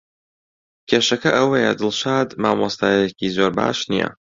کێشەکە ئەوەیە دڵشاد مامۆستایەکی زۆر باش نییە.